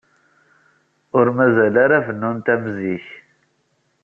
Ur mazal ara bennun-ten am zik.